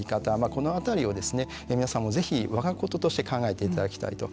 このあたりを皆さんもぜひわがこととして考えていただきたいと。